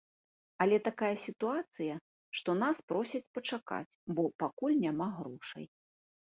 Але такая сітуацыя, што нас просяць пачакаць, бо пакуль няма грошай.